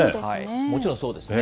もちろんそうですね。